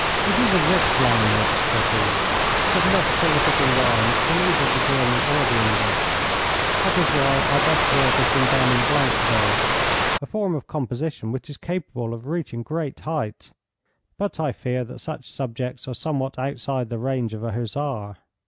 'It is a rich language,' said he, 'but less prolific in rhymes than either the German or the English. That is why our best work has been done in blank verse, a form of composition which is capable of reaching great heights. But I fear that such subjects are somewhat outside the range of a hussar.'